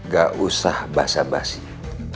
gak usah basah basih